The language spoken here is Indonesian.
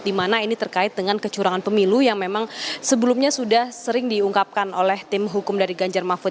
di mana ini terkait dengan kecurangan pemilu yang memang sebelumnya sudah sering diungkapkan oleh tim hukum dari ganjar mahfud